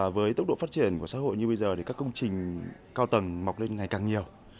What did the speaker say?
với tốc độ phát triển của xã hội như bây giờ thì các công trình cao tầng mọc lên ngày càng nhiều